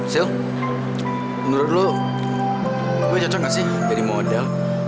sill menurut lo gue cocok gak sih jadi model